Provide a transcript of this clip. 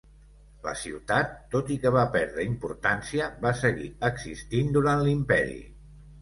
La ciutat, tot i que va perdre importància, va seguir existint durant l'imperi.